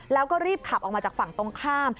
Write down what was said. แล้วก็รีบขับออกมาจากฝั่งตรงข้าม